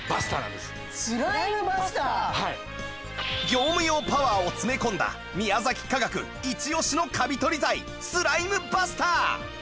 業務用パワーを詰め込んだ宮崎化学イチオシのカビ取り剤スライムバスター